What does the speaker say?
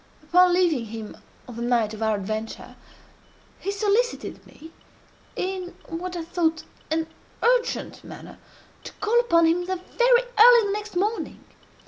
Upon leaving him on the night of our adventure, he solicited me, in what I thought an urgent manner, to call upon him very early the next morning.